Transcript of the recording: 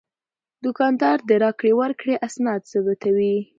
دوکاندار د راکړې ورکړې اسناد ثبتوي.